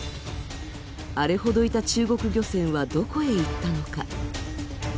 あれほどいた中国漁船はどこへ行ったのか。